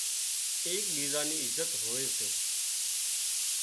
ايڪ ٻيزان ني عزت هوئي سي